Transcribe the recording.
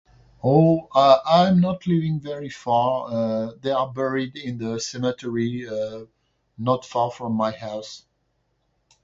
Oh, uh, I'm not living very far. Uh, they are buried in the cemetery, uh, not far from my house.